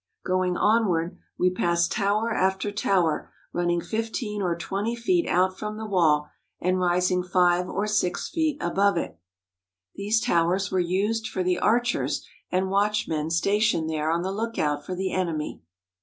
Going onward, we pass tower after tower running fif teen or twenty feet out from the wall and rising five or six feet above it. These towers were used for the archers and watchmen stationed there on the lookout for the enemy.